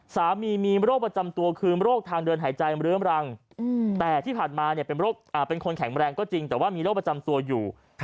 สามีมีโรคประจำตัวคือโรคทางเดินหายใจเรื้อมรังแต่ที่ผ่านมาเป็นคนแข็งแรงก็จริงแต่ว่ามีโรคประจำตัวอยู่